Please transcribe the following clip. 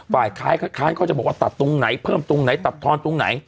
ฝ่ายค้านเขาจะบอกว่าตัดตรงไหนเพิ่มตรงไหนตัดทอนตรงไหน